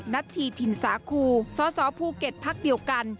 นัทธีถิ่นสาคูสสภูเก็ตพักเดียวกัน